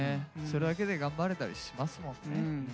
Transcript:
それだけで頑張れたりしますもんね。